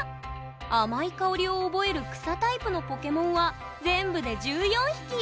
「あまいかおり」を覚えるくさタイプのポケモンは全部で１４匹！